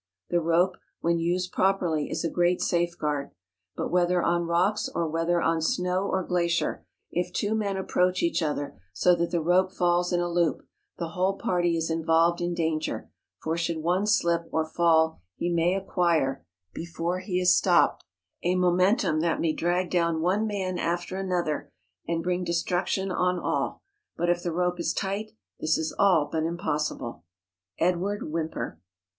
The rope, when used pro¬ perly, is a great safeguard; but whether on rocks, or whether on snow or glacier, if two men approach each other so that the rope falls in a loop, the whole party is involved in danger, for should one slip or fall he may acquire, before he is stopped, a momen¬ tum that may drag down one man after another and bring destruction on all; but if the rope is tight this is all but impossible. Edward Whymper.